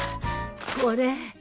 これ。